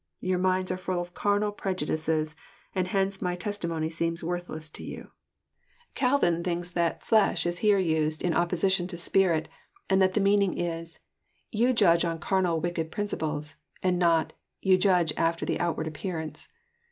Your minds are full of carnal prejudices, and hence my testimony seems worth* less to you." JOHN, CHAP. vni. 83 Calvin thinks that ''flesh is here used in opposition to spirit," and that the meaning is, *' Yon judge on carnal wicked principles," and not *' Yon jndge after the outward appearance."